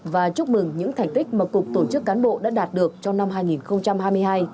và chúc mừng những thành tích mà cục tổ chức cán bộ đã đạt được trong năm hai nghìn hai mươi hai